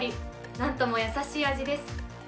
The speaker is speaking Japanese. なんとも優しい味です。